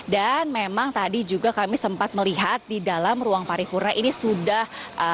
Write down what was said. dan memang tadi juga kami sempat melihat di dalam ruang pariwurna ini sudah